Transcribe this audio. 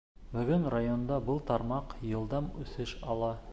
— Бөгөн районда был тармаҡ йылдам үҫеш ала.